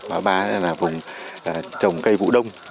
ba là vùng trồng cây vụ đông